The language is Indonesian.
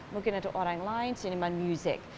mungkin untuk orang lain siniman musik